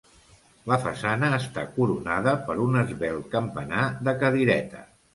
La façana està coronada per un esvelt campanar de cadireta.